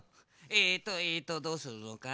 えとえとどうするのかな。